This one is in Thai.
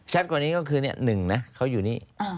ชัดกว่านี้ก็คือนี่หนึ่งนะเขาอยู่นี่